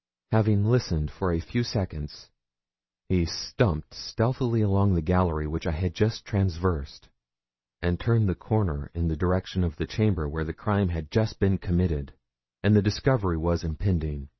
Having listened for a few seconds, he stumped stealthily along the gallery which I had just traversed, and turned the corner in the direction of the chamber where the crime had just been committed, and the discovery was impending.